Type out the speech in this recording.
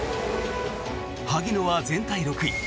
萩野は全体６位。